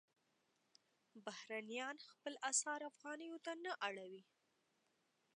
بهرنیان خپل اسعار افغانیو ته نه اړوي.